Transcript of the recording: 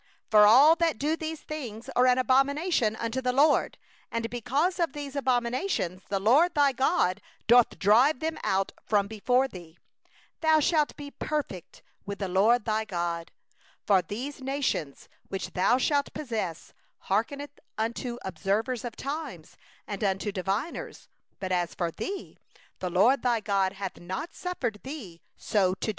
12For whosoever doeth these things is an abomination unto the LORD; and because of these abominations the LORD thy God is driving them out from before thee. 13Thou shalt be whole hearted with the LORD thy God. 14For these nations, that thou art to dispossess, hearken unto soothsayers, and unto diviners; but as for thee, the LORD thy God hath not suffered thee so to do.